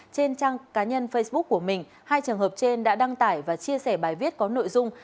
trên trang cá nhân facebook của mình hai trường hợp trên đã đăng tải và chia sẻ bài viết có nội dung